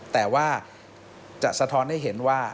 แต่ว่าจะสะท้อนให้เห็นว่า